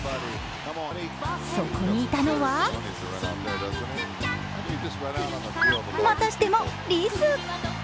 そこにいたのはまたしてもリス。